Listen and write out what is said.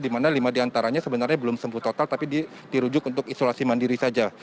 di mana lima diantaranya sebenarnya belum sembuh total tapi dirujuk untuk isolasi mandiri saja